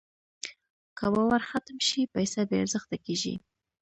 که باور ختم شي، پیسه بېارزښته کېږي.